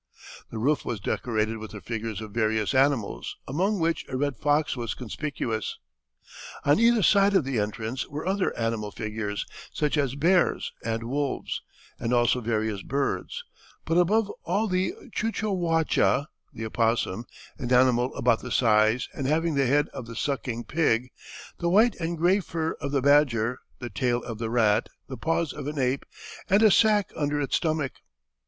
The roof was decorated with the figures of various animals, among which a red fox was conspicuous. On either side of the entrance were other animal figures, such as bears and wolves and also various birds, but above all the Chouchouacha (the opossum), an animal about the size and having the head of the sucking pig, the white and gray fur of the badger, the tail of the rat, the paws of an ape, and a sack under its stomach."